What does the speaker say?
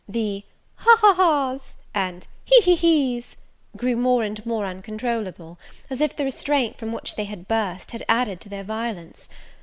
The ha, ha ha's! and he, he, he's! grew more and more uncontrollable, as if the restraint, from which they had burst, had added to their violence.